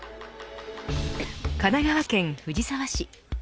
神奈川県藤沢市。